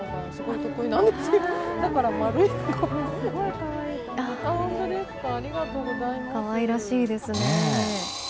かわいらしいですね。